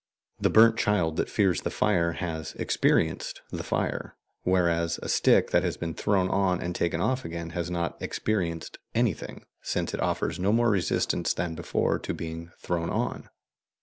The burnt child that fears the fire has "experienced" the fire, whereas a stick that has been thrown on and taken off again has not "experienced" anything, since it offers no more resistance than before to being thrown on.